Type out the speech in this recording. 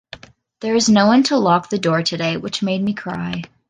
There is no one to lock the door today which made me cry.